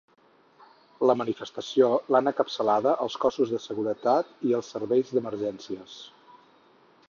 La manifestació, l’han encapçalada els cossos de seguretat i els serveis d’emergències.